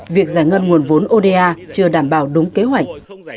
việc giải ngân nguồn vốn oda chưa đảm bảo đúng kế hoạch